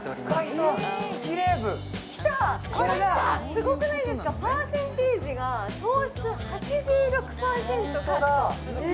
すごくないですかパーセンテージが糖質８６％カットホントだ